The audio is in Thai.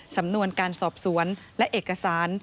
สำนวนการสอบสวนและเอกสาร